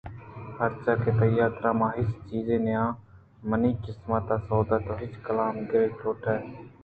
پرچا کہ تئی حاترا من ہچ چیزے نیاں منی قسمت ءِ سودا ءَ تو چہ کلام ءَ گِرگ لوٹ اِت